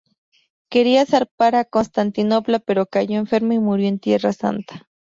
Quería zarpar a Constantinopla pero cayó enferma y murió en Tierra Santa.